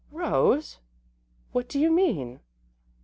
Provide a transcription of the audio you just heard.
"Rose! What do you mean?"